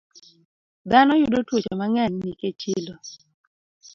Dhano yudo tuoche mang'eny nikech chilo.